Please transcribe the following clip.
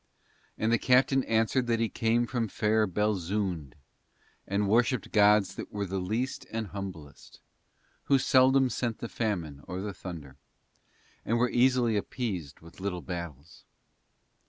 And the captain answered that he came from fair Belzoond, and worshipped gods that were the least and humblest, who seldom sent the famine or the thunder, and were easily appeased with little battles.